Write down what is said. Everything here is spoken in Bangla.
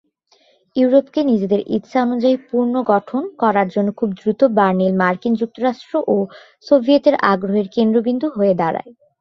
ইউরোপকে নিজেদের ইচ্ছা অনুযায়ী পুনর্গঠন করার জন্য খুব দ্রুতই বার্লিন মার্কিন যুক্তরাষ্ট্র ও সোভিয়েতের আগ্রহের কেন্দ্রবিন্দু হয়ে দাঁড়ায়।